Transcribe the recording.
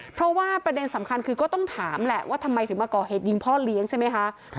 เพราะว่าประเด็นสำคัญคือก็ต้องถามแหละว่าทำไมถึงมาก่อเหตุยิงพ่อเลี้ยงใช่ไหมคะ